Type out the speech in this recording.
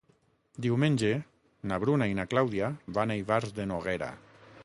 Diumenge na Bruna i na Clàudia van a Ivars de Noguera.